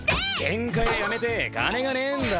喧嘩屋やめて金がねえんだ。